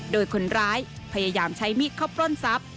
โดยคนร้ายพยายามใช้มีดเข้าปล้นทรัพย์